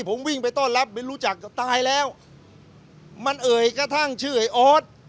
ผมวิ่งไปต้อนรับไม่รู้จักก็ตายแล้วมันเอ่ยกระทั่งชื่อไอ้ออส